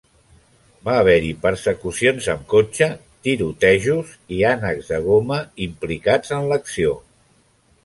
Va haver-hi persecucions amb cotxe, tirotejos i ànecs de goma implicats en l'acció.